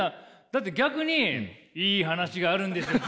だって逆に「いい話があるんですよ」。